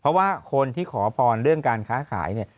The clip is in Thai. เพราะว่าคนที่ขอพรเรื่องการค้าขายเนี่ย